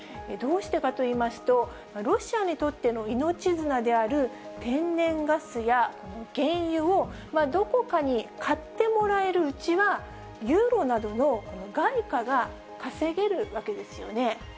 どうしてかといいますと、ロシアにとっての命綱である天然ガスや原油を、どこかに買ってもらえるうちは、ユーロなどの外貨が稼げるわけですよね。